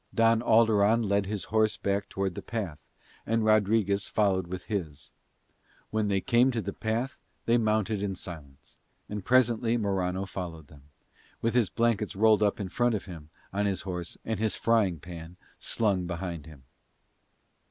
Don Alderon led his horse back toward the path, and Rodriguez followed with his. When they came to the path they mounted in silence; and presently Morano followed them, with his blankets rolled up in front of him on his horse and his frying pan slung behind him.